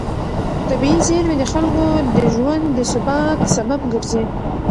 طبیعي زېرمې د خلکو د ژوند د ثبات سبب ګرځي.